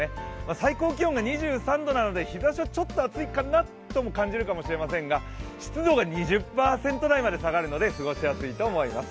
最高気温が２３度なので日ざしはちょっと暑いかなと感じるかもしれませんが湿度が２０％台まで下がるので、過ごしやすいと思います。